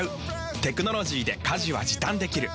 テクノロジーで家事は時短できる。